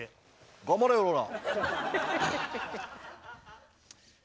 頑張れよおら。